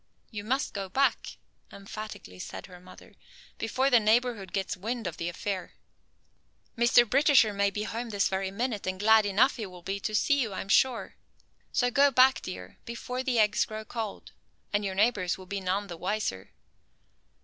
"You must go back," emphatically said her mother, "before the neighborhood gets wind of the affair. Mr. Britisher may be home this very minute, and glad enough he will be to see you, I am sure. So go back, dear, before the eggs grow cold and your neighbors will be none the wiser."